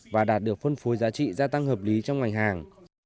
và đạt được phân phối giá trị gia tăng hợp lý trong ngành hàng